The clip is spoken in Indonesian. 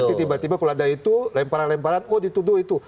nanti tiba tiba kalau ada itu lemparan lemparan oh dituduh itu